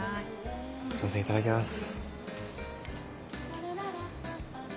すいませんいただきます。